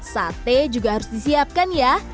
sate juga harus disiapkan ya